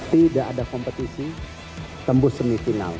tidak ada kompetisi tembus semifinal